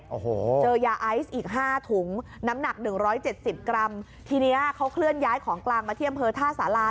เจอยาไอซ์อีก๕ถุงน้ำหนัก๑๗๐กรัมทีเนี่ยเขาเคลื่อนย้ายของกลางมาที่อำเภอท่าสารา